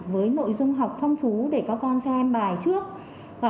với nội dung học phong phú để các con xem bài trước